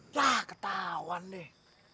lah ketahuan deh